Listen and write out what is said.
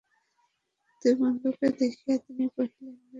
দুই বন্ধুকে দেখিয়া তিনি কহিলেন, ব্যাপারখানা কী!